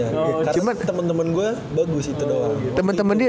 karena temen temen gue bagus itu doang